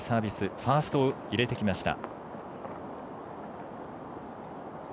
ファーストを入れてきました。